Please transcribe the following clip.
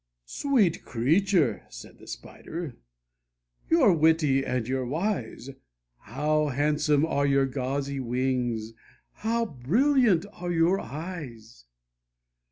' "Sweet creature," said the Spider, "you're witty and you're wise ! How handsome are your gauzy wings, how brilliant are your eyes